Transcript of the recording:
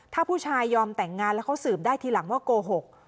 ถ้าผู้ชายยอมแต่งงานแล้วเขาสืบได้ทีหลังว่าโกหก